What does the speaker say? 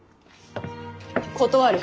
断る。